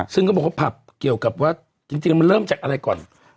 ซึ่งก็บอกว่าผับเกี่ยวกับว่าจริงมันเริ่มจากอะไรก่อน